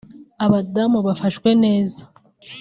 abadamu bafashwe neza